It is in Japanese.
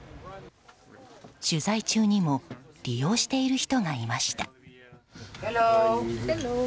取材中にも利用している人がいました。